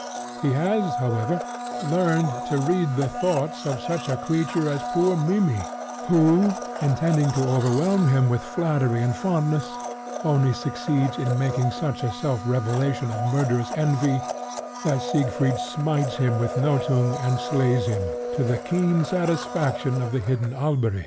He has, however, learnt to read the thoughts of such a creature as poor Mimmy, who, intending to overwhelm him with flattery and fondness, only succeeds in making such a self revelation of murderous envy that Siegfried smites him with Nothung and slays him, to the keen satisfaction of the hidden Alberic.